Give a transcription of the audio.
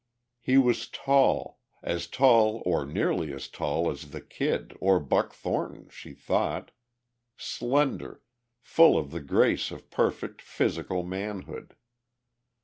He was tall, as tall or nearly as tall as the Kid or Buck Thornton, she thought, slender, full of the grace of perfect physical manhood.